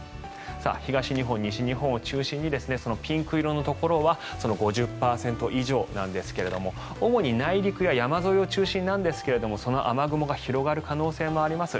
東日本、西日本を中心にピンク色のところは５０％以上なんですが主に内陸山沿いを中心なんですがその雨雲が広がる可能性もあります。